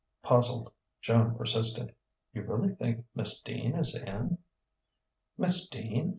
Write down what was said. Puzzled, Joan persisted: "You really think Miss Dean is in?" "Miss Dean?